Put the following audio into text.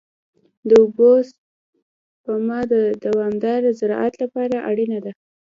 د اوبو سپما د دوامدار زراعت لپاره اړینه ده.